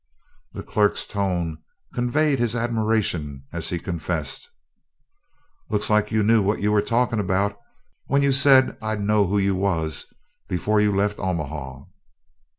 The clerk's tone conveyed his admiration as he confessed: "Looks like you knew what you was talkin' about when you said I'd know who you was before you left Omaha."